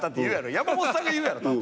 山本さんが言うやろ多分。